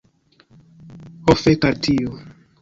Ho fek al tio.